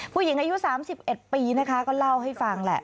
ผู้หญิงอายุ๓๑ปีนะคะก็เล่าให้ฟังแหละ